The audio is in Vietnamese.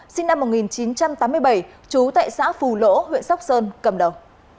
sinh năm một nghìn chín trăm tám mươi bảy trú tại xã phù lỗ huyện sóc sơn cầm đầu